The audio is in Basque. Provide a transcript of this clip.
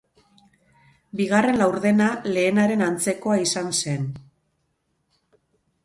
Bigarren laurdena lehenaren antzekoa izan zen.